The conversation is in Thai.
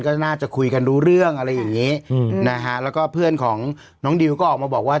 ก็น่าจะคุยกันรู้เรื่องอะไรอย่างงี้อืมนะฮะแล้วก็เพื่อนของน้องดิวก็ออกมาบอกว่า